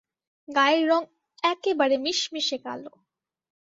গায়ের রং একেবারে মিশমিশে কালো।